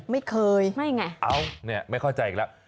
ไม่เคยไม่ไงเอ้าเนี่ยไม่เข้าใจอีกแล้ว